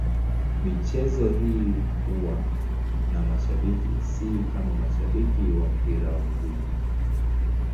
Michezo hii huwa na mashabiki, si kama mashabiki wa mpira wa miguu.